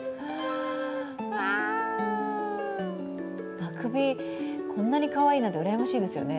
あくび、こんなにかわいいなんてうらやましいですよね。